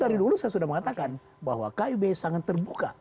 dari dulu saya sudah mengatakan bahwa kib sangat terbuka